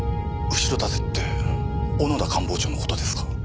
後ろ盾って小野田官房長の事ですか？